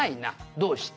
「どうして？」